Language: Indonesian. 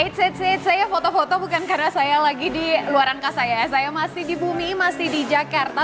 eits it said saya foto foto bukan karena saya lagi di luar angkasa ya saya masih di bumi masih di jakarta